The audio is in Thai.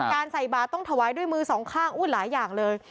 ใส่บาทต้องถวายด้วยมือสองข้างหลายอย่างเลย